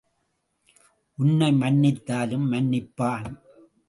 உன்னை மன்னித்தாலும் மன்னிப்பான்.